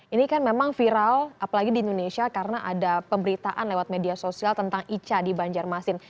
ini kan memang viral apalagi di indonesia karena ada pemberitaan lewat media sosial tentang ica di banjarmasin